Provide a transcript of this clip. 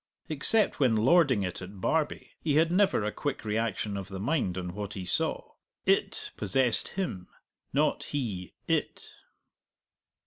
Except when lording it at Barbie, he had never a quick reaction of the mind on what he saw; it possessed him, not he it.